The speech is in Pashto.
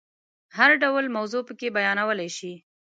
هر ډول موضوع پکې بیانولای شي.